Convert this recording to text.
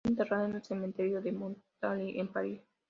Fue enterrada en el Cementerio de Montmartre, en París.